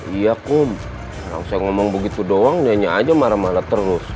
iya kok langsung ngomong begitu doang nanya aja marah marah terus